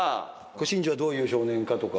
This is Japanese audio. シンジがどういう少年かとか。